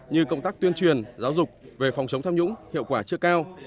như công tác tuyên truyền giáo dục về phòng chống tham nhũng hiệu quả chưa cao